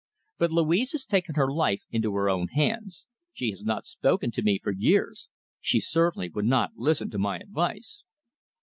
But Louise has taken her life into her own hands. She has not spoken to me for years. She certainly would not listen to my advice."